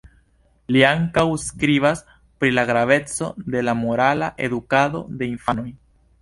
Li ankaŭ skribas pri la graveco de la morala edukado de infanoj.